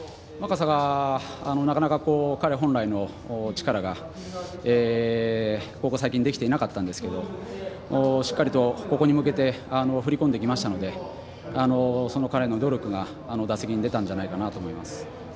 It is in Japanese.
若狭が、なかなか彼本来の力がここ最近できていなかったんですけどしっかりと、ここに向けて振り込んできましたのでその彼の努力があの打席で出たんじゃないかと思います。